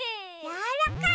やわらかい！